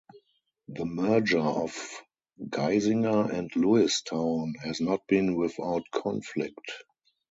The merger of Geisinger and Lewistown has not been without conflict.